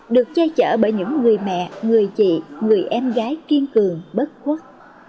được che chở bởi những người mẹ người chị người em gái kiên cường bất khuất